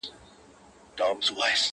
دا خواركۍ راپسي مه ږغـوه~